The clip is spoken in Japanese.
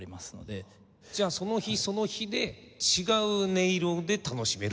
じゃあその日その日で違う音色で楽しめるって事。